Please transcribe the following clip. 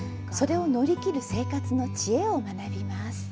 それを乗り切る生活の知恵を学びます。